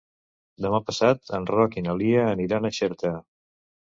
Demà passat en Roc i na Lia aniran a Xerta.